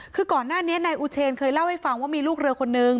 คือก่อนหน้านี้นายอูเชนเคยเล่าให้ฟังว่ามีลูกเรือคนนึง